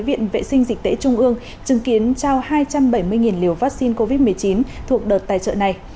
viện vệ sinh dịch tễ trung ương chứng kiến trao hai trăm bảy mươi liều vaccine covid một mươi chín thuộc đợt tài trợ này